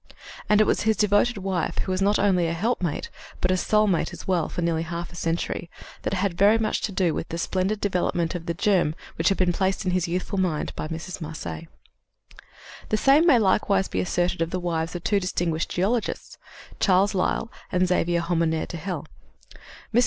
And it was his devoted wife who was not only a helpmate but a soulmate as well for nearly half a century, that had very much to do with the splendid development of the germ which had been placed in his youthful mind by Mrs. Marcet. The same may likewise be asserted of the wives of two distinguished geologists Charles Lyell and Xavier Hommaire de Hell. Mrs.